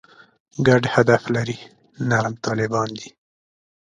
ګډ هدف لري «نرم طالبان» دي.